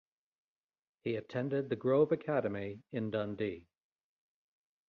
He attended the Grove Academy in Dundee.